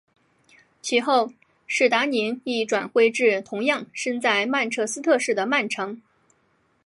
其后史达宁亦转会至同样身在曼彻斯特市的曼城。